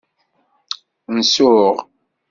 Nsuɣ.